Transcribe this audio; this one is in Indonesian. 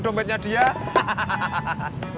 dompetnya dia hahaha